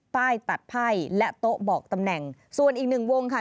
ป้ายตัดไพ่และโต๊ะบอกตำแหน่งส่วนอีกหนึ่งวงค่ะ